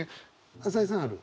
朝井さんある？